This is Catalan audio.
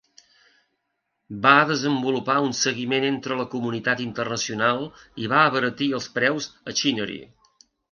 Va desenvolupar un seguiment entre la comunitat internacional, i va abaratir els preus de Chinnery.